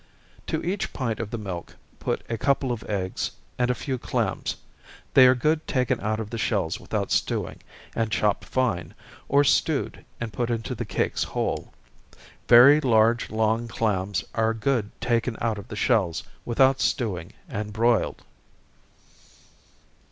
To each pint of the milk, put a couple of eggs, and a few clams they are good taken out of the shells without stewing, and chopped fine, or stewed, and put into the cakes whole. Very large long clams are good taken out of the shells without stewing, and broiled.